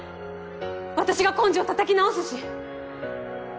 私が根性たたき直すし。